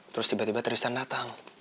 terus tiba tiba tristan datang